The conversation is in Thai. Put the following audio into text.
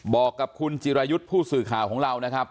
บอกกับคุณจิรายุทธ์ผู้สื่อข่าวของเรานะครับ